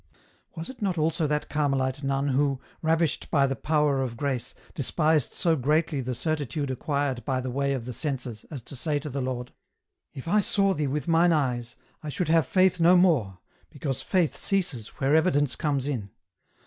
" Was it not also that Carmelite nun who, ravished by the power of grace, despised so greatly the certitude acquired by the way of the senses, as to say to the Lord ; 138 EN ROUTE. * If I saw Thee with mine eyes, I should have Faith no more, because Faith ceases where evidence comes in